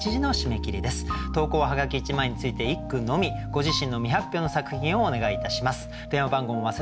ご自身の未発表の作品をお願いいたします。